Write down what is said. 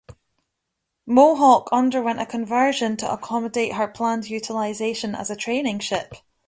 "Mohawk" underwent a conversion to accommodate her planned utilisation as a training ship.